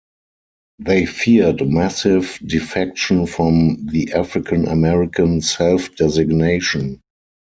They feared massive defection from the African American self-designation.